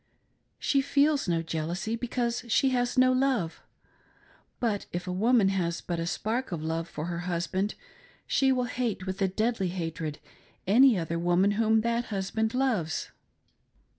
She feels no jealousy because she has no love ; but if a woman has but a spark of love for her husband she will hate with a deadly hatred any other woman whom that husband loves."